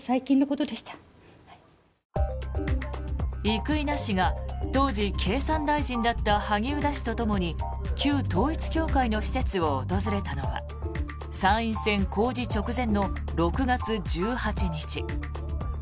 生稲氏が当時、経産大臣だった萩生田氏とともに旧統一教会の施設を訪れたのは参院選公示直前の６月１８日。